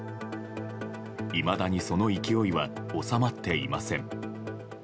いまだにその勢いは収まっていません。